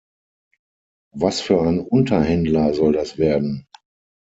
Was für ein Unterhändler soll das werden?